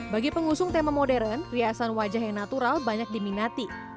bagi pengusung tema modern riasan wajah yang natural banyak diminati